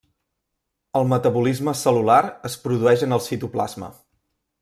El metabolisme cel·lular es produeix en el citoplasma.